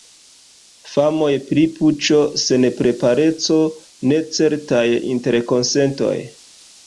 Famoj pri puĉo, senprepareco, necertaj interkonsentoj.